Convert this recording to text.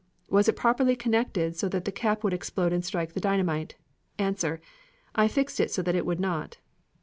Was it properly connected so that the cap would explode and strike the dynamite? A. I fixed it so that it would not.